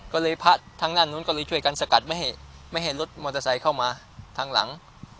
ก็เลยพระทางด้านนู้นก็เลยช่วยกันสกัดไม่ให้รถมอเตอร์ไซค์เข้ามาทางหลัง